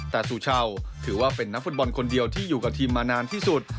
แต่ซูเช่าถือว่าเป็นนักฟุตบอลคนเดียวที่อยู่กับทีมมานานที่สุด